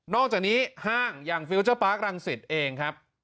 อกจากนี้ห้างอย่างฟิลเจอร์ปาร์ครังสิตเองครับ